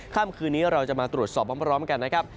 ค่ำคืนนี้เราจะมาตรวจสอบพร้อมกันนะครับ